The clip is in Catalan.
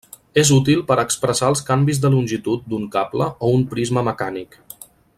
És útil per expressar els canvis de longitud d'un cable o un prisma mecànic.